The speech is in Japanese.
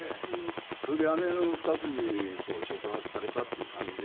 それであの２つに触発されたっていう感じで。